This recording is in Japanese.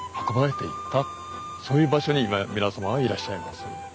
そういう場所に今皆様はいらっしゃいます。